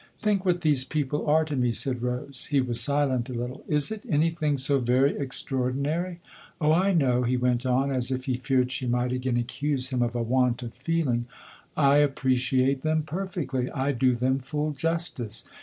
" Think what these people are to me/' said Rose. He was silent a little. " Is it anything so very extraordinary? Oh, I know/' he went on, as if he feared she might again accuse him of a want of feeling ; "I appreciate them perfectly I do them full justice.